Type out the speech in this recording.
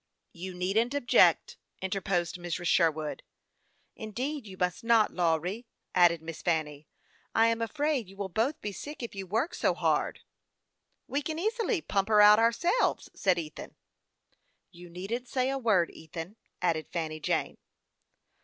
"You needn't object," interposed Mrs. Sherwood. " Indeed you must not, Lawry," added Miss Fanny. " I am afraid you will both be sick if you work so hard." " We can easily pump her out ourselves," said Ethan. " You needn't say a word, Ethan," added Fanny Jane.